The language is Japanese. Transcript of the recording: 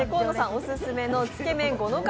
オススメのつけ麺五ノ神